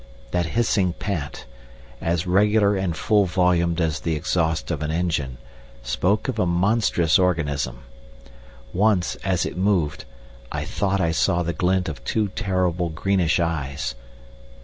That hissing pant, as regular and full volumed as the exhaust of an engine, spoke of a monstrous organism. Once, as it moved, I thought I saw the glint of two terrible, greenish eyes.